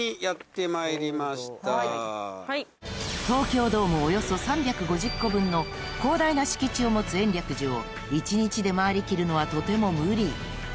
［東京ドームおよそ３５０個分の広大な敷地を持つ延暦寺を一日で回りきるのはとても無理］